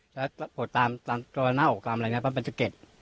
แล้วตามตัวเน่าตามอะไรอย่างนี้เพราะมันจะเก็ด